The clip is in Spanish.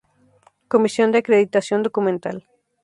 Comisión de acreditación documental.